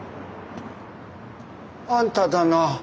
あんただな？